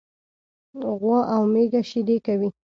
غوا او میږه شيدي کوي.